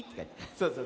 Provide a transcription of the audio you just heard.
そうそう。